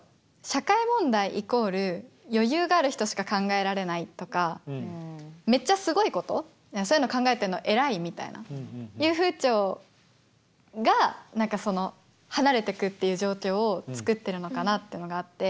社会問題イコール余裕がある人しか考えられないとかめっちゃすごいことそういうのを考えているのは偉いみたいないう風潮が何かその離れてくっていう状況をつくってるのかなっていうのがあって。